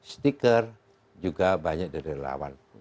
stiker juga banyak dari lawan